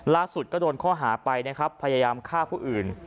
ล่าสุดก็โดนข้อหาไปพยายามฆ่าผู้อื่น